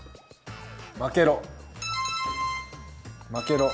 「負けろ！」。